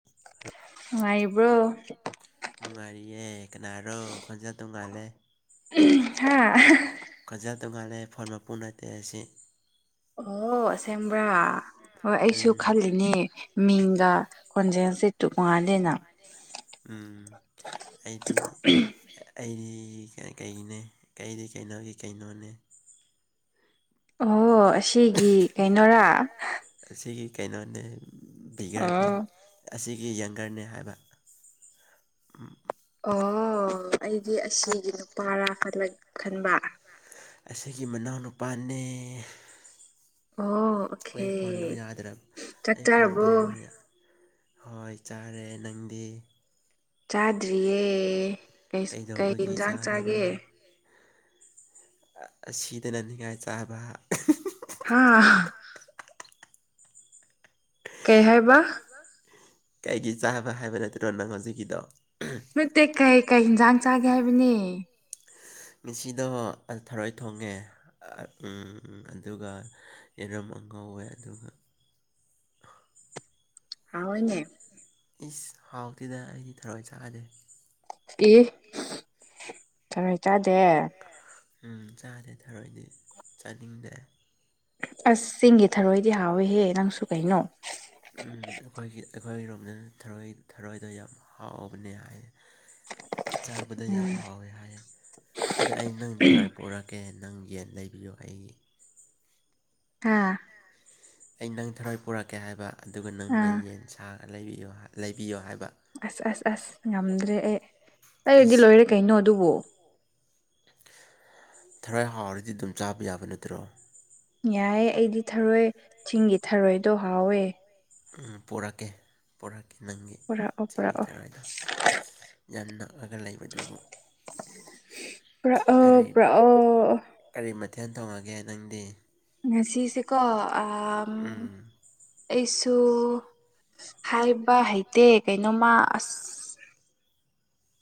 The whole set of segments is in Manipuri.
[unintelligible] ꯅꯨꯡꯉꯥꯏꯔꯤꯕ꯭ꯔꯣ ꯅꯨꯡꯉꯥꯏꯔꯤꯌꯦ ꯀꯅꯥꯔꯣ ꯈꯟꯖꯦꯜ ꯇꯣꯡꯉꯥꯜꯂꯦ [unintelligible] ꯍꯥꯥ [unintelligible] ꯀꯖ ꯇꯣꯉꯥꯂꯦ ꯐꯣꯟ ꯃꯄꯨ ꯅꯠꯇꯦ ꯑꯁꯤ ꯑꯣꯁꯦꯡꯕ꯭ꯔꯥ ꯍꯣꯏ ꯑꯩꯁꯨ ꯎꯝ ꯈꯜꯂꯤꯅꯦ ꯃꯤꯡꯒ ꯈꯣꯟꯖꯦꯜꯁꯤ ꯇꯨ ꯃꯜꯂꯤꯅ ꯎꯝ ꯑꯩꯗꯤ ꯑꯩꯗꯤ ꯀꯩꯅꯦ ꯀꯩꯗꯤ ꯀꯩꯅꯣꯒꯤ ꯀꯩꯅꯣꯅꯦ ꯑꯣ ꯑꯁꯤꯒꯤ ꯀꯩꯅꯣꯔꯥ ꯑꯁꯤꯒꯤ ꯀꯩꯅꯣꯅꯦ ꯑ ꯕꯤꯒꯔꯅꯦ ꯑꯁꯤꯒꯤ ꯌꯪꯒꯔꯅꯦ ꯍꯥꯏꯕ ꯑꯣ ꯑꯩꯗꯤ ꯑꯁꯤꯒꯤ ꯅꯨꯄꯥꯔꯥꯂ ꯈꯟꯕ ꯑꯁꯤꯒꯤ ꯃꯅꯥꯎꯅꯨꯄꯥꯅꯦ ꯑꯣ ꯑꯩ ꯐꯣꯟꯗꯣ ꯑꯣꯀꯦ ꯌꯥꯗ꯭ꯔꯕ ꯆꯥꯛ ꯑꯩ ꯐꯣꯟꯗꯣ ꯆꯥꯔꯕꯣ ꯍꯣꯏ ꯆꯥꯔꯦ ꯅꯪꯗꯤ ꯆꯥꯗ꯭ꯔꯤꯌꯦ ꯀꯩ ꯀꯩꯗꯧꯕꯒꯤ ꯌꯦꯟꯖꯥꯛ ꯆꯥꯒꯦ ꯑꯁꯤꯗꯅ ꯅꯤꯡꯉꯥꯏ ꯆꯥꯕ ꯍꯥꯥ ꯀꯩ ꯍꯥꯏꯕ [unintelligible] ꯀꯩꯒꯤ ꯆꯥꯕ ꯍꯥꯏꯕ ꯅꯠꯇ꯭ꯔꯣ ꯅꯪ ꯍꯧꯖꯤꯛꯒꯤꯗꯣ ꯅꯠꯇꯦ ꯀꯩ ꯀꯩ ꯏꯟꯁꯥꯡ ꯆꯥꯒꯦ ꯍꯥꯏꯕꯅꯤ ꯉꯁꯤꯗꯣ ꯊꯔꯣꯏ ꯊꯣꯡꯉꯦ ꯑꯥ ꯎ ꯑꯗꯨꯒ ꯌꯦꯔꯨꯝ ꯑ ꯉꯧꯋꯦ ꯑꯗꯨꯒ [unintelligible] ꯅꯦ ꯏꯁ ꯍꯥꯎꯇꯤꯗ ꯑꯩꯗꯤ ꯊꯔꯣꯏ ꯆꯥꯗꯦ ꯏ ꯊꯔꯣꯏ ꯆꯥꯗꯦ ꯎꯝ ꯆꯥꯥꯗꯦ ꯊꯔꯣꯏꯗꯤ ꯆꯥꯅꯤꯡꯗꯦ ꯑꯁ ꯆꯤꯡꯒꯤ ꯊꯔꯣꯏꯗꯤ ꯍꯥꯎꯋꯦꯍꯦ ꯅꯪꯁꯨ ꯀꯩꯅꯣ ꯎꯝ ꯑꯩꯈꯣꯏꯒꯤ ꯑꯩꯈꯣꯏꯒꯤꯔꯣꯝꯗ ꯊꯔꯣꯏ ꯊꯔꯣꯏꯗꯣ ꯌꯥꯝ ꯍꯥꯎꯕꯅꯦ ꯍꯥꯏ [unintelligible] ꯆꯥꯕꯗ ꯌꯥꯝ ꯎꯝ ꯍꯥꯎꯋꯦ ꯍꯥꯏꯌꯦ ꯑꯗꯣ ꯑꯩ ꯅꯪ ꯊꯔꯣꯏ ꯄꯨꯔꯛꯀꯦ ꯅꯪ ꯌꯦꯟ ꯂꯩꯕꯤꯌꯣ ꯑꯩꯒꯤ ꯑꯥ ꯑꯩ ꯅꯪ ꯊꯔꯣꯏ ꯄꯨꯔꯛꯀꯦ ꯍꯥꯏꯕ ꯑꯗꯨꯒ ꯅꯪꯅ ꯑꯥ ꯌꯦꯟ ꯁꯥꯥꯡ ꯂꯩꯕꯤꯌꯣ ꯂꯩꯕꯤꯌꯣ ꯍꯥꯏꯕ ꯑꯁ ꯑꯁ ꯑꯁ ꯉꯝꯗ꯭ꯔꯦ ꯑꯦ ꯂꯩꯔꯗꯤ ꯏꯁ ꯂꯣꯏꯔꯦ ꯀꯩꯅꯣ ꯑꯗꯨꯕꯨ ꯊꯔꯣꯏ ꯍꯥꯎꯔꯗꯤ ꯑꯗꯨꯝ ꯆꯥꯕ ꯌꯥꯕ ꯅꯠꯇ꯭ꯔꯣ ꯌꯥꯏꯌꯦ ꯑꯩꯗꯤ ꯊꯔꯣꯏ ꯆꯤꯡꯒꯤ ꯊꯔꯣꯏꯗꯣ ꯍꯥꯎꯋꯦ ꯎ ꯄꯣꯔꯛꯀꯦ ꯄꯣꯔꯛꯀꯦ ꯅꯪꯒꯤ ꯄꯨꯔꯛꯑꯣ ꯆꯤꯡꯒꯤ ꯄꯨꯔꯛꯑꯣ ꯊꯔꯣꯏꯗ ꯌꯥꯝ ꯅꯛꯑꯒ ꯂꯩꯕꯗꯨꯕꯨ ꯄꯨꯔꯛꯑꯣ ꯀꯔꯤ ꯄꯨꯔꯛꯑꯣ ꯀꯔꯤ ꯃꯊꯦꯜ ꯇꯧꯉꯒꯦ ꯅꯪꯗꯤ ꯉꯥꯁꯤꯁꯤ ꯀꯣ ꯑ ꯎꯝ ꯑꯩꯁꯨ ꯍꯥꯏꯕ ꯍꯩꯇꯦ ꯀꯩꯅꯣꯃ ꯑꯁ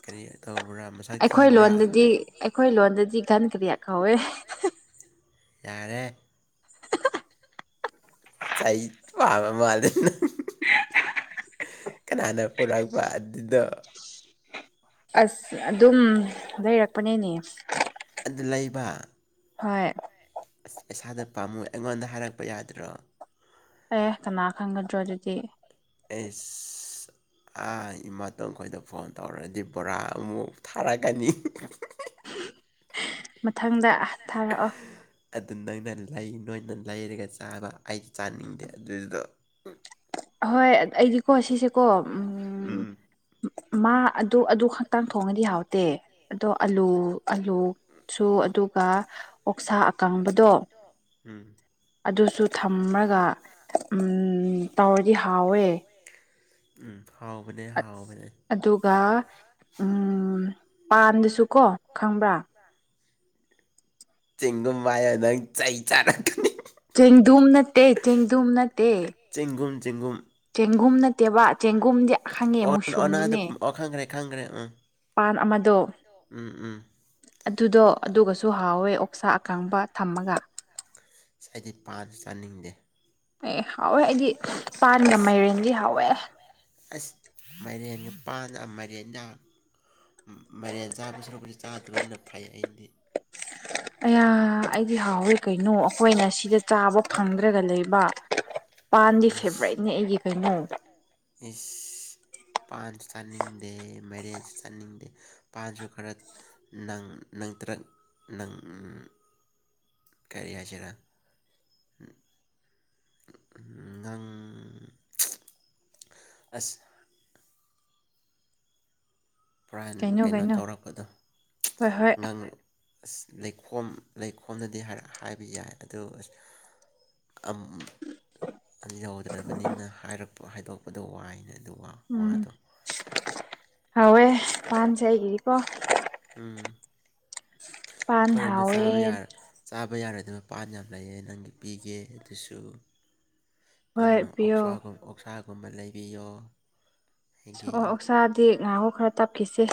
ꯀꯔꯤ ꯇꯧꯕ꯭ꯔꯥ ꯑꯩꯈꯣꯏ ꯊꯤꯕ꯭ꯔꯥ ꯂꯣꯟꯗꯗꯤ ꯑꯩꯈꯣꯏ ꯂꯣꯟꯗꯗꯤ ꯘꯟ ꯀꯔꯤꯌꯥ ꯀꯧꯋꯦ ꯌꯥꯔꯦ ꯆꯩ ꯄꯥꯕ ꯃꯥꯜꯂꯤꯅꯪ ꯀꯅꯥꯅ ꯄꯨꯔꯛꯄ ꯑꯗꯨꯗꯣ ꯑꯁ ꯑꯗꯨꯝ ꯂꯩꯔꯛꯄꯅꯦꯅꯦ ꯑꯗꯨ ꯂꯩꯕ ꯍꯣꯏ ꯑꯁ ꯄꯩꯁꯥꯗꯨ ꯄꯥꯝꯃꯨ ꯑꯩꯉꯣꯟꯗ ꯍꯥꯏꯔꯛꯄ ꯌꯥꯗ꯭ꯔꯣ ꯑꯦ ꯀꯅꯥ ꯈꯪꯒꯗ꯭ꯔꯣ ꯑꯗꯨꯗꯤ ꯑꯦꯁ ꯑ ꯏꯃꯥꯇꯣꯟꯈꯣꯏꯗ ꯐꯣꯟ ꯇꯧꯔꯛꯗꯤ ꯕꯣꯔꯥ ꯑꯃꯨꯛ ꯊꯥꯔꯛꯀꯅꯤ ꯃꯊꯪꯗ ꯊꯥꯔꯛꯑꯣ ꯑꯗꯨ ꯅꯪꯅ ꯂꯩ ꯅꯣꯏꯅ ꯂꯩꯔꯒ ꯆꯥꯕ ꯑꯩꯗꯤ ꯆꯥꯅꯤꯡꯗꯦ ꯑꯗꯨꯗꯣ ꯍꯣꯏ ꯑꯩꯗꯤꯀꯣ ꯁꯤꯁꯦꯀꯣ ꯎꯝ ꯃꯥ ꯑꯗꯨ ꯑꯗꯨ ꯈꯛꯇꯥꯡ ꯊꯣꯡꯉꯗꯤ ꯍꯥꯎꯇꯦ ꯑꯗꯣ ꯑꯂꯨ ꯑꯂꯨ ꯁꯨ ꯑꯗꯨꯒ ꯑꯣꯛꯁꯥ ꯑꯀꯥꯡꯕꯗꯣ ꯎꯝ ꯑꯗꯨꯁꯨ ꯊꯝꯃꯒ ꯇꯧꯔꯗꯤ ꯍꯥꯎꯋꯦ ꯎꯝ ꯍꯥꯎꯕꯅꯦ ꯍꯥꯎꯕꯅꯦ ꯑꯗꯨꯒ ꯄꯥꯟꯗꯨꯁꯨꯀꯣ ꯈꯪꯕ꯭ꯔꯥ ꯆꯤꯡꯒꯨꯝ ꯍꯥꯏꯑꫭ ꯑꯗꯨ ꯆꯩ ꯆꯥꯔꯛꯀꯅꯤ ꯆꯦꯡꯗꯨꯝ ꯅꯠꯇꯦ ꯆꯦꯡꯗꯨꯝ ꯅꯠꯇꯦ ꯆꯦꯡꯒꯨꯝ ꯆꯦꯒꯨꯝ ꯆꯦꯡꯒꯨꯝ ꯅꯠꯇꯦꯕ ꯆꯦꯡꯒꯨꯝꯗꯤ ꯈꯪꯉꯦ [unintelligible] ꯃꯨꯁꯔꯨꯝꯗꯨꯅꯦ ꯑꫭ ꯈꯪꯈ꯭ꯔꯦ ꯈꯪꯈ꯭ꯔꯦ ꯎꯝ ꯄꯥꯟ ꯑꯃꯗꯣ ꯎꯝ ꯎꯝ ꯑꯗꯨꯗꯣ ꯑꯗꯨꯒꯁꯨ ꯍꯥꯎꯋꯦ ꯑꯣꯛꯁꯥ ꯑꯀꯪꯕ ꯊꯝꯃꯒ ꯑꯁ ꯑꯩꯗꯤ ꯄꯥꯟ ꯆꯥꯅꯤꯡꯗꯦ ꯑꯦ ꯍꯥꯎꯋꯦ ꯑꯩꯗꯤ ꯄꯥꯟꯒꯥ ꯑꯁ ꯃꯥꯏꯔꯦꯟꯗꯤ ꯍꯥꯎꯋꯦ ꯃꯔꯦꯒꯥ ꯄꯥꯥꯟꯒꯥ ꯃꯔꯦꯟꯅꯥ ꯃꯔꯦꯟ ꯆꯥꯕ ꯁꯔꯨꯛꯄꯁꯤ ꯆꯥꯗꯕꯅ ꯐꯩ ꯑꯩꯗꯤ ꯑꯌꯥ ꯑꯩꯗꯤ ꯍꯥꯎꯋꯣꯏ ꯀꯩꯅꯣ ꯑꯩꯈꯣꯏꯅ ꯁꯤꯗ ꯆꯥꯕ ꯐꯪꯗ꯭ꯔꯒ ꯂꯩꯕ ꯄꯥꯟꯗꯤ ꯐꯦꯕꯣꯔꯥꯏꯠꯅꯦ ꯏꯁ ꯑꯩꯒꯤ ꯀꯩꯅꯣ ꯏꯁ ꯄꯥꯟꯁꯨ ꯆꯥꯅꯤꯡꯗꯦ ꯃꯔꯦꯟꯁꯨ ꯆꯥꯅꯤꯡꯗꯦ ꯄꯥꯟꯁꯨ ꯈꯔ ꯅꯪ ꯅꯪꯇꯔꯥꯛ ꯅꯪ ꯀꯔꯤ ꯍꯥꯏꯁꯤꯔ ꯎꯝ ꯅꯪ ꯑꯁ ꯄꯨꯔꯥꯟ ꯀꯩꯅꯣ ꯇꯧꯔꯛꯄꯗꯣ ꯍꯣꯏ ꯍꯣꯏ ꯉꯥꯡ ꯑꯁ ꯂꯩꯈꯣꯝ ꯂꯩꯈꯣꯝꯗꯗꯤ ꯍꯥꯏꯕ ꯌꯥꯏ ꯑꯗꯨ ꯑꯁ ꯑꯥꯝ ꯌꯧꯗ꯭ꯔꯕꯅꯤꯅ ꯍꯥꯏꯔꯛꯄ ꯍꯥꯏꯗꯣꯛꯄꯗꯣ ꯋꯥꯏꯅ ꯑꯗꯨ ꯋꯥꯎ ꯎꯝ ꯍꯋꯦ ꯄꯥꯟꯁꯦ ꯑꯩꯒꯤꯗꯤꯀꯣ ꯎꯝ ꯄꯥꯟ ꯑꯩꯈꫭꯏꯔꫭꯝꯗ ꯍꯥꯎꯋꯦ ꯆꯥꯕ ꯌꯥꯔ ꯆꯥꯕ ꯌꯥꯔꯣꯏꯗꯕ ꯃꯄꯥꯟ ꯌꯥꯝ ꯂꯩꯌꯦ ꯅꯪꯒꯤ ꯄꯤꯒꯦ ꯑꯗꯨꯁꯨ ꯍꯣꯏ ꯅꯪꯅ ꯄꯤꯌꯣ ꯑꯣꯛꯁꯥꯒꯨꯝ ꯑꯣꯛꯁꯥꯒꯨꯝꯕ ꯂꯩꯕꯤꯌꯣ ꯑꯣ ꯑꯩꯒꯤ ꯑꯣꯛꯁꯥꯗꯤ ꯉꯥꯏꯍꯣ ꯈꯔ ꯇꯞꯈꯤꯁꯦ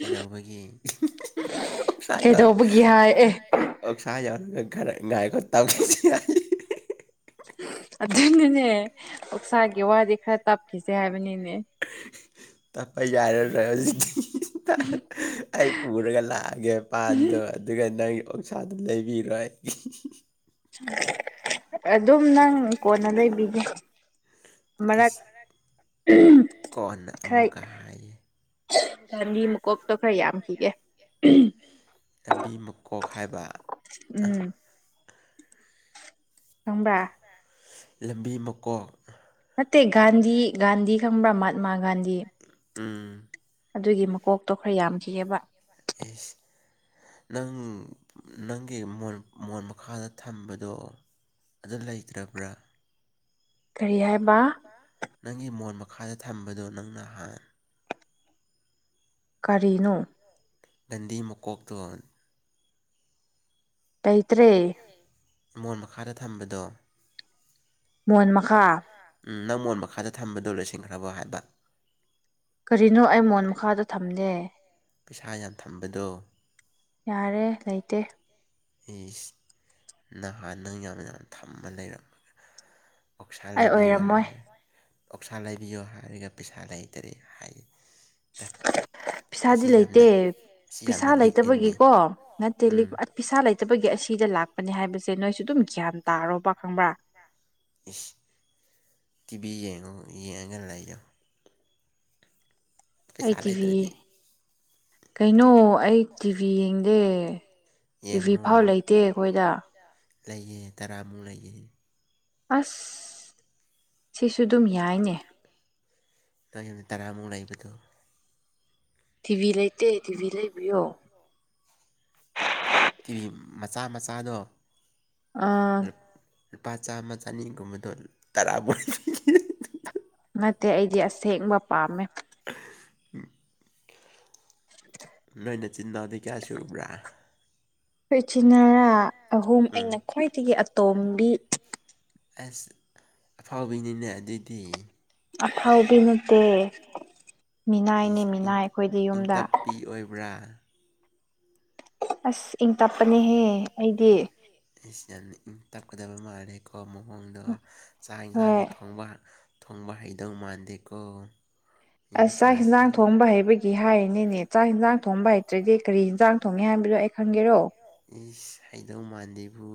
ꯀꯩꯗꯧꯕꯒꯤ ꯑꫭꯛꯁꯥ ꯌꯥꯎ ꯀꯩꯗꯧꯕꯒꯤ ꯍꯥꯏ ꯑꯦ ꯑꯣꯛꯁꯥ ꯌꯥꯔꯨꯔꯒꯥ ꯈꯔꯥ ꯉꯥꯏꯕ ꯇꯥꯈꯤꯁꯤ ꯍꯥꯏꯌꯦ ꯑꯗꯨꯅꯅꯦ ꯑꯣꯛꯁꯥꯒꯤ ꯋꯥꯗꯤ ꯈꯔ ꯇꯞꯈꯤꯁꯦ ꯍꯥꯏꯕꯅꯤꯅꯦ ꯇꯞꯄ ꯌꯥꯔꯔꯣꯏ ꯍꯩꯖꯤꯛꯇꯤ ꯑꯩ ꯄꯨꯔꯒ ꯂꯥꯛꯑꯒꯦ ꯄꯥꯟꯗꯣ ꯑꯗꯨꯒ ꯅꯪ ꯑꫭꯛꯁꯥꯗꯨ ꯂꯩꯕꯤꯔꯣꯏ ꯑꯗꯨꯝ ꯅꯪ ꯀꯣꯟꯅ ꯂꯩꯕꯤꯒꯦ ꯃꯔꯛ ꯑꯁ ꯎꯝ ꯀꯣꯟꯅ ꯈꯔꯥꯏ ꯑꯃꯨꯛꯀ ꯍꯥꯏꯌꯦ ꯄꯥꯟꯕꯤ ꯃꯀꯣꯛꯇꯣ ꯈꯔ ꯌꯥꯝꯈꯤꯒꯦ ꯂꯝꯕꯤ ꯃꯀꯣꯛ ꯍꯥꯏꯕ ꯎꯝ [unintelligible] ꯂꯝꯕꯤ ꯃꯀꯣꯛ ꯅꯠꯇꯦ ꯒꯥꯟꯙꯤ ꯒꯥꯟꯙꯤ ꯈꯪꯕ꯭ꯔꯥ ꯃꯍꯥꯇꯃꯥ ꯒꯥꯟꯙꯤ ꯎꯝ ꯑꯗꯨꯒꯤ ꯃꯀꯣꯛꯇꯣ ꯈꯔ ꯌꯥꯝꯈꯤꯑꯕ ꯑꯦ ꯅꯪ ꯅꯪꯒꯤꯣꯟ ꯃꯣꯟ ꯃꯈꯥꯗ ꯊꯝꯕꯗꯣ ꯑꯗꯨ ꯂꯩꯇ꯭ꯔꯕ꯭ꯔꯥ ꯀꯔꯤ ꯍꯥꯏꯕ ꯅꯪꯒꯤ ꯃꯣꯟ ꯃꯈꯥꯗ ꯊꯝꯕꯗꯨꯣ ꯅꯪ ꯅꯍꯥꯟ ꯀꯔꯤꯅꯣ ꯒꯟꯗꯤ ꯃꯀꯣꯛꯇ ꯂꯩꯇ꯭ꯔꯦ ꯃꯣꯟ ꯃꯈꯥꯗ ꯊꯝꯕꯗꯣ ꯃꯣꯟ ꯃꯈꯥ ꯅꯪꯉꯣꯟ ꯃꯈꯥꯗ ꯊꯝꯕꯗꯣ ꯂꯁꯤꯡꯈ꯭ꯔꯕꯣ ꯍꯥꯏꯕ ꯀꯔꯤꯅꯣ ꯑꯩ ꯃꯣꯟ ꯃꯈꯥꯗ ꯊꯝꯂꯦ ꯄꯩꯁꯥ ꯌꯥꯝ ꯊꯝꯕꯗꯣ ꯌꯥꯔꯦ ꯂꯩꯇꯦ ꯑꯩ ꯅꯍꯥꯟ ꯅꯪ ꯌꯥꯝ ꯌꯥꯝ ꯊꯝꯃ ꯂꯩꯔꯝꯝꯕꯒ ꯑꯣꯛꯁꯥ ꯑꯩ ꯂꯩꯕꯤꯌꯨ ꯑꯣꯏꯔꯝꯃꯣꯏ ꯍꯥꯏꯔꯦ ꯑꯣꯛꯁꯥ ꯂꯩꯕꯤꯌꯣ ꯍꯥꯏꯔꯒ ꯄꯩꯁꯥ ꯂꯩꯇ꯭ꯔꯦ ꯍꯥꯏꯌꯦ ꯇꯠ ꯄꯩꯁꯥꯗꯤ ꯑꯁꯤ ꯂꯩꯇꯦ ꯌꯥꯝꯅ ꯑꯁꯤ ꯄꯩꯁꯥ ꯌꯥꯝꯅ ꯂꯤꯛꯏꯅꯤ ꯂꯩꯇꯕꯒꯤꯀꯣ ꯅꯠꯇꯦ ꯎꯝ ꯄꯤꯁꯥ ꯂꯩꯇꯕꯒꯤ ꯑꯁꯤꯗ ꯂꯥꯛꯄꯅꯤ ꯍꯥꯏꯕꯁꯦ ꯅꯣꯏꯁꯨ ꯑꯗꯨꯝ ꯒ꯭ꯌꯥꯟ ꯇꯥꯔꯣꯕ ꯈꯪꯕ꯭ꯔꯥ ꯏꯁ ꯇꯤꯕꯤ ꯌꯦꯡꯉꯣ ꯌꯦꯡꯉꯒ ꯂꯩꯥꯛꯌꯣ ꯑꯩ ꯄꯩꯁꯥ ꯇꯤꯚꯤ ꯂꯩꯇ꯭ꯔꯗꯤ ꯀꯩꯅꯣ ꯑꯩ ꯇꯤꯚꯤ ꯌꯦꯡꯗꯦ ꯇꯤꯚꯤ ꯌꯦꯡꯉꯨ ꯐꯥꯎ ꯂꯩꯇꯦ ꯑꯩꯈꯣꯏꯗ ꯂꯩꯌꯦꯦ ꯇꯔꯥꯃꯨꯛ ꯂꯩꯌꯦꯦ ꯑꯁ ꯁꯤꯁꯨ ꯑꯗꯨꯝ ꯌꯥꯏꯅꯦ ꯑ ꯌꯨꯝꯅ ꯇꯔꯥꯃꯨꯛ ꯂꯩꯕꯗꯣ ꯇꯤꯚꯤ ꯂꯩꯇꯦ ꯇꯤꯚꯤ ꯂꯩꯕꯤꯌꯣ ꯇꯤꯚꯤ ꯃꯆꯥ ꯃꯆꯥꯗꯣ ꯑꯥ ꯂꯨꯄꯥ ꯆꯥꯝꯃ ꯆꯅꯤꯒꯨꯝꯕꯗꯣ ꯇꯔꯥꯐ ꯄꯤꯈꯤ꯭ꯔꯦ ꯅꯠꯇꯦ ꯑꯩꯗꯤ ꯑꯁꯦꯡꯕ ꯄꯥꯝꯃꯦ ꯅꯣꯏꯅ ꯆꯤꯟꯅꯥꯗꯤ ꯀꯌꯥ ꯁꯨꯕ꯭ꯔꯥ ꯑꯩꯈꯣꯏ ꯏꯆꯤꯟꯟꯅꯔꯥ ꯑꯍꯨꯝ ꯎꯝ ꯑꯩꯅ ꯈ꯭ꯋꯥꯏꯗꯒꯤ ꯑꯇꯣꯝꯕꯤ ꯑꯁ ꯑꯐꯥꯎꯕꯅꯤꯅꯦ ꯑꯗꯨꯗꯤ ꯑꯐꯥꯎꯤ ꯅꯠꯇꯦ ꯃꯤꯅꯥꯏꯅꯦ ꯃꯤꯅꯥꯏ ꯑꯩꯈꯣꯏꯗꯤ ꯌꯨꯝꯗ ꯅꯨ ꯄꯄꯤ ꯑꯣꯏꯕ꯭ꯔꯥ ꯑꯁ ꯏꯪ ꯇꯞꯄꯅꯦꯍꯦ ꯑꯩꯗꯤ ꯑꯩꯁꯤ ꯌꯥꯝ ꯏꯪ ꯇꯞꯀꯗꯕ ꯃꯥꯜꯂꯦꯀꯣ ꯃꯑꯣꯣꯡꯗꯣ ꯆꯥꯛ ꯍꯣꯏ ꯌꯦꯟꯁꯥꯡꯁꯦ ꯊꯣꯡꯕ ꯊꯣꯡꯕ ꯍꯩꯗꯧ ꯃꯥꯟꯗꯦꯀꯣ ꯃꯤ ꯑ ꯆꯥꯛ ꯃꯆꯥꯁꯦ ꯌꯦꯟꯖꯥꯡ ꯊꯣꯡꯕ ꯍꯥꯏꯩꯕꯒꯤ ꯍꯥꯏꯔꯤꯅꯤꯅꯦ ꯆꯥꯛ ꯌꯦꯟꯖꯥꯡ ꯊꯣꯡꯕ ꯍꯩꯇ꯭ꯔꯗꯤ ꯀꯔꯤ ꯌꯦꯟꯖꯥꯡ ꯊꯣꯡꯒꯦ ꯍꯥꯏꯕꯗꯣ ꯑꯩ ꯈꯪꯒꯦꯔꯣ ꯏꯁ ꯍꯩꯗꯧ ꯃꯥꯟꯗꯕꯨ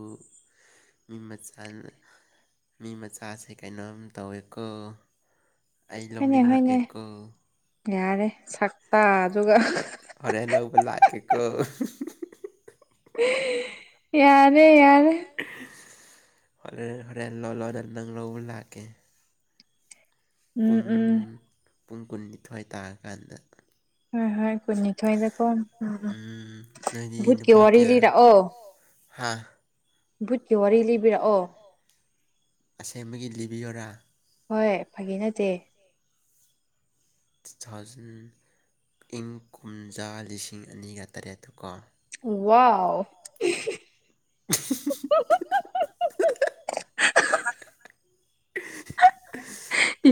ꯃꯤ ꯃꯆꯥꯅ ꯃꯤ ꯃꯆꯥꯁꯦ ꯀꯩꯅꯣꯝ ꯇꯧꯋꯦꯀꯣ ꯑꯩ ꯍꯣꯏꯅꯦ ꯍꯣꯏꯅꯦ ꯂꯧꯅꯤꯡꯔꯛꯑꯦꯀꯣ ꯌꯥꯔꯦ ꯁꯛꯇ ꯑꯗꯨꯒ ꯐꯔꯦꯜꯂꯧꯕꯂ ꯀꯀꯣ ꯌꯥꯔꯦ ꯌꯥꯔ ꯍꯣꯔꯦꯟ ꯍꯣꯔꯦꯟ ꯂꯣ ꯂꯣꯗ ꯅꯪ ꯂꯧꯕ ꯂꯥꯛꯀꯦ ꯎꯝ ꯄꯨꯡ ꯎꯝ ꯄꯨꯡ ꯀꯨꯟꯅꯤꯊꯣꯏ ꯇꯥꯔꯀꯥꯟꯗ ꯍꯣꯏ ꯍꯣꯏ ꯀꯨꯟꯅꯤꯊꯣꯏꯗꯀꯣ ꯎꯝ ꯎꯝ ꯚꯨꯠꯀꯤ ꯋꯥꯔꯤ ꯂꯤꯔꯛꯑꯣ ꯍꯥꯥ ꯕꯨꯠꯀꯤ ꯋꯥꯔꯤ ꯂꯤꯕꯤꯔꯛꯑꯣ ꯑꯁꯦꯡꯕꯒꯤ ꯂꯤꯕꯤꯌꯣꯔꯥ ꯍꯣꯏꯌ‌ꯦ ꯐꯒꯤ ꯅꯠꯇꯦ ꯇꯨ ꯊꯥꯎꯖꯟ ꯏꯪ ꯀꯨꯝꯖꯥ ꯂꯤꯁꯤꯡ ꯑꯅꯤꯒ ꯇꯔꯦꯠꯇ ꯀꯣ ꯋꯥꯎ [unintelligible]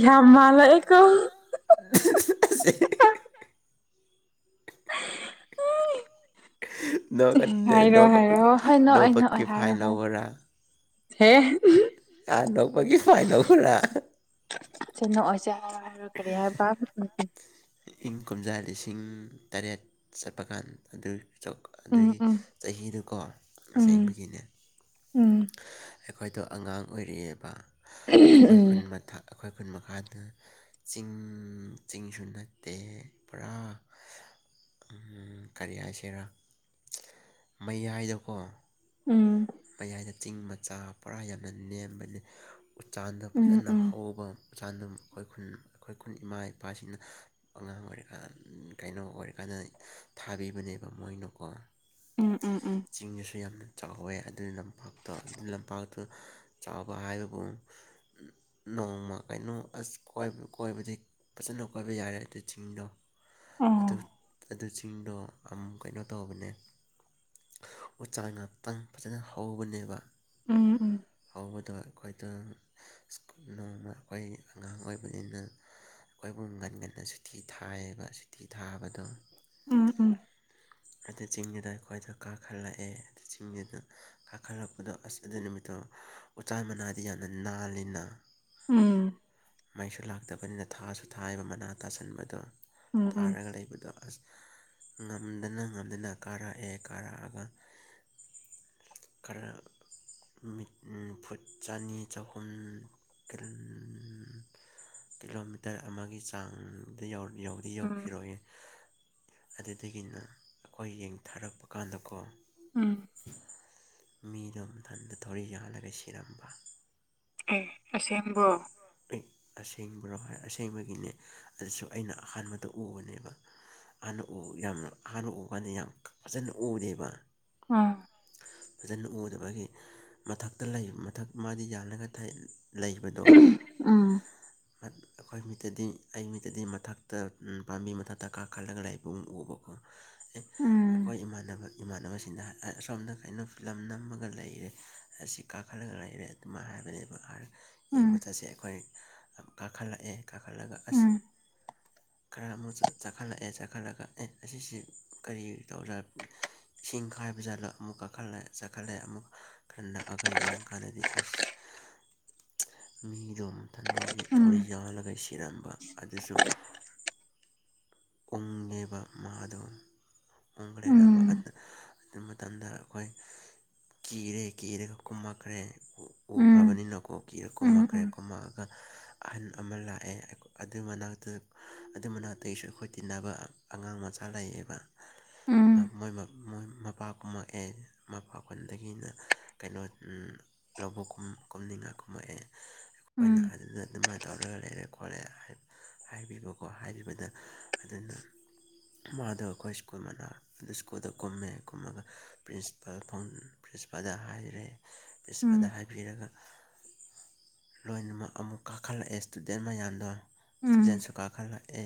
ꯌꯥꯝ ꯃꯥꯂꯛꯑꯦꯀꯣ [unintelligible] ꯅ‌ꯣꯛꯑꯅꯨꯅ‌ꯦ ꯍꯥꯏꯔꯣ ꯅ‌ꯣꯛ ꯍꯥꯏꯔꯣ ꯍꯣꯏ ꯅꯣꯛꯑꯣꯏ ꯅꯣꯛꯄꯀꯤ ꯅꯣꯛꯑꯣꯏ ꯐꯥꯏꯟ ꯍꯥꯏꯔꯣ ꯍꯥꯏꯔꯣ ꯂꯧꯋ‌ꯣꯔꯥ ꯍꯦ ꯑꯦ ꯅ‌ꯣꯛꯄꯒꯤ ꯐꯥꯏꯟ ꯂꯧꯋ‌ꯣꯔꯥ ꯁꯦ ꯅ‌ꯣꯛꯑꯣꯏꯁ‌ꯦ [unintelligible] ꯍꯥꯏꯔ‌ꯣ ꯀꯔꯤ ꯍꯥꯏꯕ ꯏꯪ ꯀꯨꯝꯖꯥ ꯂꯤꯁꯤꯡ ꯇꯔꯦꯠ ꯆꯠꯄ ꯀꯥꯟ ꯑꯗꯨ ꯎꯝ ꯑꯗꯨꯒꯤ ꯎꯝ ꯆꯍꯤꯗꯀꯣ ꯎꯝ ꯑꯁꯦꯡꯕꯒꯤꯅꯦ ꯎꯝ ꯑꯩꯈꯣꯏꯗꯣ ꯑꯉꯥꯡ ꯑꯣꯏꯔꯤꯌ‌ꯦꯕ ꯑꯩꯈꯣꯏ ꯈꯨꯟ ꯃꯊꯛ ꯑꯩꯈꯣꯏ ꯈꯨꯟ ꯃꯈꯥꯗ ꯆꯤꯡ ꯆꯤꯡꯁꯨ ꯅ ꯇ‌ꯦ ꯄꯨꯔꯥ ꯎꯝ ꯀꯔꯤ ꯍꯥꯏꯁꯤꯔꯥ ꯃꯩ ꯌꯥꯏꯗꯀꯣ ꯎꯝ ꯃꯌꯥꯏꯗ ꯆꯤꯡ ꯃꯆꯥ ꯄꯨꯔꯥ ꯌꯥꯝꯅ ꯅꯦꯝꯕꯅꯤ ꯎꯆꯥꯟꯗꯣ ꯎꯝ ꯎꯝ ꯐꯖꯅ ꯎꯝ ꯍꯧꯕ ꯃꯩꯆꯥꯟꯗ‌ꯣ ꯑꯩꯈꯣꯏ ꯈꯨꯟ ꯑꯩꯈꯣꯏ ꯈꯨꯟ ꯏꯃꯥ ꯏꯄꯥꯁꯤꯡꯅ ꯑꯉꯥꯡ ꯑꯣꯏꯔꯤꯀꯥꯟ ꯀꯩꯅꯣ ꯑꯣꯏꯔꯀꯥꯟꯗ ꯊꯥꯕꯤꯕꯅꯦꯕ ꯃꯣꯏꯅꯀꯣ ꯎꯝ ꯎꯝ ꯎꯝ ꯎꯝ ꯆꯤꯡꯗꯁꯨ ꯌꯥꯝꯅ ꯆꯥꯎꯋꯦ ꯑꯗꯨꯏ ꯂꯝꯄꯥꯛꯇ‌ꯣ ꯑꯗꯨ ꯂꯝꯄꯥꯛꯇ‌ꯣ ꯆꯥꯎꯕ ꯍꯥꯏꯕꯕꯨ ꯅꯣꯡꯃ ꯀꯩꯅꯣ ꯑꯁ ꯀ‌ꯣꯏꯕ ꯀꯣꯏꯕꯗꯤ ꯐꯖꯅ ꯀꯣꯏꯕ ꯌꯥꯔꯦ ꯑꯗꯨ ꯆꯤꯡꯗꯣ ꯑꯗꯨ ꯑꯣ ꯑꯗꯨ ꯆꯤꯡꯗꯣ ꯑꯃꯨꯛ ꯀꯩꯅꯣ ꯇꯧꯕꯅꯦ ꯎꯆꯥꯟ ꯉꯥꯛꯇꯪ ꯐꯖꯅ ꯍꯧꯕꯅꯦꯕ ꯎꯝ ꯎꯝ ꯍꯧꯕꯗꯣ ꯑꯩꯈꯣꯏꯗ‌ꯣ ꯁ꯭ꯀꯨꯜ ꯅꯣꯡꯃ ꯑꯩꯈꯣꯏ ꯑꯉꯥꯡ ꯑꯣꯏꯕꯅꯤꯅ ꯑꯩꯈꯣꯏ ꯍꯨꯝ ꯉꯟ ꯉꯟꯅ ꯁꯨꯇꯤ ꯊꯥꯏꯌꯦꯕ ꯁꯨꯇꯤ ꯊꯥꯕꯗꯣ ꯎꯝ ꯎꯝ ꯑꯗꯨ ꯆꯤꯡꯗꯨꯗ ꯑꯩꯈꯣꯏꯗ‌ꯣ ꯀꯥꯈꯠꯂꯛꯑꯦ ꯑꯗꯨ ꯆꯤꯡꯗꯨꯗ ꯀꯥꯈꯠꯂꯛꯄꯗꯣ ꯑꯁ ꯑꯗꯨ ꯅꯨꯃꯤꯠꯇꯣ ꯎꯆꯥꯟ ꯃꯅꯥꯗꯤ ꯌꯥꯝꯅ ꯅꯥꯜꯂꯤꯅ ꯎꯝ ꯃꯩꯁꯨ ꯂꯥꯛꯇꯕꯅꯤꯅ ꯊꯥꯁꯨ ꯊꯥꯏꯌ‌ꯦꯕ ꯃꯅꯥ ꯇꯥꯁꯟꯕꯗꯣ ꯎꯝ ꯎꯝ ꯇꯥꯔꯒ ꯂꯩꯕꯗꯣ ꯑꯁ ꯉꯝꯗꯅ ꯉꯝꯗꯅ ꯀꯥꯔꯛꯑꯦ ꯀꯥꯔꯛꯑꯒ ꯀꯥꯔꯛ ꯅꯨꯃꯤꯠ ꯎꯝ ꯐꯨꯠ ꯆꯅꯤ ꯆꯍꯨꯝ ꯀ꯭ꯔ ꯀꯤꯂꯣꯃꯤꯇꯔ ꯑꯃꯒꯤ ꯆꯥꯡꯗ ꯌꯧꯗꯤ ꯎꯝ ꯌꯧꯈꯤꯔꯣꯏꯌ‌‌ꯦ ꯑꯗꯨꯗꯒꯤꯅ ꯑꯩꯈꯣꯏ ꯌꯦꯡ ꯊꯥꯔꯛꯄ ꯀꯥꯟꯗꯀꯣ ꯎꯝ ꯃꯤꯗꯣ ꯃꯊꯟꯗ ꯊꯧꯔꯤ ꯌꯥꯜꯂꯒ ꯁꯤꯔꯝꯕ ꯑꯦ ꯑꯁꯦꯡꯕ꯭ꯔꯣ ꯑꯁꯦꯡꯕ꯭ꯔꯣ ꯍꯥꯏ ꯑꯁꯦꯡꯕꯒꯤꯅꯦ ꯑꯗꯨꯁꯨ ꯑꯩꯅ ꯑꯍꯥꯟꯕꯗ ꯎꯕꯅꯦꯕ ꯍꯥꯟꯅ ꯎ ꯌꯥꯝꯅ ꯑꯍꯥꯟꯕ ꯎꯕꯀꯥꯟꯗ ꯌꯥꯝ ꯐꯖꯅ ꯎꯗꯦꯕ ꯑꯝ ꯐꯖꯅ ꯎꯗꯕꯒꯤ ꯃꯊꯛꯇ ꯂꯩꯕ ꯃꯊꯛ ꯃꯥꯗꯤ ꯌꯥꯜꯂꯒ ꯊꯥꯏ ꯂꯩꯕꯗꯣ ꯎꯝ ꯑꯩꯈꯣꯏ ꯃꯤꯠꯇꯗꯤ ꯑꯩ ꯃꯤꯠꯇꯗꯤ ꯃꯊꯛꯇ ꯄꯥꯝꯕꯤ ꯃꯊꯛꯇ ꯀꯥꯈꯠꯂꯒ ꯂꯩꯕꯒꯨꯝ ꯎꯕꯀꯣ ꯑꯦ ꯎꯝ ꯑꯩꯈꯣꯏ ꯏꯃꯥꯟꯅꯕ ꯏꯃꯥꯟꯅꯕꯁꯤꯡꯗ ꯑꯁꯣꯝꯗ ꯀꯩꯅꯣ ꯐꯤꯂꯝ ꯅꯝꯃꯒ ꯂꯩꯔꯦ ꯑꯁꯤ ꯀꯥꯈꯠꯂꯒ ꯂꯩꯔꯦ ꯑꯗꯨꯃꯥꯢꯅ ꯍꯥꯏꯕꯅꯦꯕ ꯑꯥꯔ ꯌꯦꯡꯕ ꯎꯝ ꯆꯠꯁꯦ ꯑꯩꯈꯣꯏ ꯀꯥꯈꯠꯂꯛꯑꯦ ꯀꯥꯈꯠꯂꯒ ꯑꯁ ꯎꯝ ꯈꯔ ꯑꯃꯨꯛ ꯆꯥꯈꯠꯂꯛꯑꯦ ꯆꯥꯈꯠꯂꯒ ꯑꯦ ꯑꯁꯤꯁꯤ ꯀꯔꯤ ꯇꯧ ꯁꯤꯡ ꯈꯥꯏꯕ ꯖꯥꯠꯂ ꯑꯃꯨꯛ ꯀꯥꯈꯠꯂꯦ ꯀꯥꯈꯠꯂꯦ ꯑꯃꯨꯛ ꯈꯟ ꯅꯛꯑꯒ ꯌꯦꯡ ꯀꯥꯟꯗꯗꯤ ꯑꯁ ꯃꯤꯗꯣ ꯃꯊꯟꯗ ꯊꯧꯔꯤ ꯎꯝ ꯌꯥꯎꯍꯜꯂꯒ ꯁꯤꯔꯝꯕ ꯑꯗꯨꯁꯨ ꯎꯣꯡꯉꯦꯕ ꯃꯥꯗꯣ ꯎꯣꯡꯈ꯭ꯔꯦꯔꯝꯕ ꯎꯝ ꯑꯗꯨ ꯑꯗꯨ ꯃꯇꯝꯗ ꯑꯩꯈꯣꯏ ꯀꯤꯔꯦ ꯀꯤꯔꯒ ꯀꯨꯝꯃꯛꯈ꯭ꯔꯦ ꯎꯝ ꯎꯝ ꯎꯈ꯭ꯔꯕꯅꯤꯅꯀꯣ ꯀꯤꯔ ꯀꯨꯝꯔꯛ ꯎꯝ ꯀꯨꯝꯔꯛ ꯑꯗꯨꯒ ꯑꯍꯟ ꯑꯃ ꯂꯥꯛꯑꯦ ꯑꯗꯨꯏ ꯃꯅꯥꯛꯇ ꯑꯗꯨꯏ ꯃꯅꯥꯛꯇꯩꯁꯨ ꯑꯩꯈꯣꯏ ꯇꯤꯟꯅꯕ ꯑꯉꯥꯡ ꯃꯆꯥ ꯂꯩꯌꯦꯕ ꯎꯝ ꯃꯣꯏ ꯃꯣꯏ ꯃꯄꯥ ꯀꯨꯝꯃꯛꯑꯦ ꯃꯄꯥꯛꯗꯒꯤꯅ ꯀꯩꯅꯣ ꯂꯧꯕꯨꯛꯨ [inaudible] ꯝ ꯀꯨꯝꯅꯤꯡꯉꯥꯏ ꯀꯨꯝꯃꯛꯑꯦ ꯑꯩꯈꯣꯏꯅ ꯎꯝ ꯑꯗꯨꯗ ꯑꯗꯨꯃꯥꯏꯅ ꯇꯧꯔꯒ ꯂꯩꯔꯦ ꯈꯣꯠꯂꯦ ꯍꯥꯏꯕꯤꯕꯀꯣ ꯍꯥꯏꯕꯤꯕꯗ ꯑꯗꯨꯅ ꯃꯥꯗꯣ ꯑꯩꯈꯣꯏ ꯁ꯭ꯀꯨꯜ ꯃꯅꯥ ꯑꯗꯨ ꯁ꯭ꯀꯨꯜꯗ ꯀꯨꯝꯃꯦ ꯀꯨꯝꯃꯒ ꯄ꯭ꯔꯤꯟꯁꯤꯄꯥꯜ ꯐ ꯄ꯭ꯔꯤꯟꯁꯤꯄꯥꯜꯗ ꯍꯥꯏꯈ꯭ꯔꯦ ꯁꯄꯥꯗ ꯎꯝ ꯍꯥꯏꯕꯤꯔꯒ ꯂꯣꯏꯅꯃꯛ ꯑꯃꯨꯛ ꯀꯥꯈꯠꯂꯛꯑꯦ ꯏꯁꯇꯨꯗꯦꯟ ꯃꯌꯥꯝꯗꯣ ꯎꯝ ꯖꯦꯟꯁꯨ [inaudible] ꯀꯥ ꯈꯔ ꯂꯛꯑꯦ